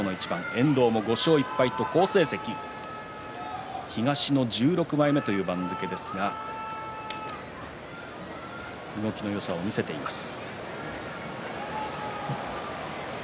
遠藤も５勝１敗の好成績東１６枚目という番付ですが動きのよさを見せています。